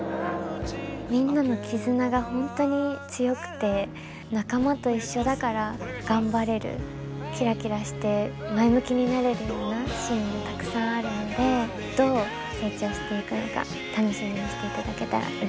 みんなの絆が本当に強くて仲間と一緒だから頑張れるキラキラして前向きになれるようなシーンもたくさんあるのでどう成長していくのか楽しみにしていただけたらうれしいです。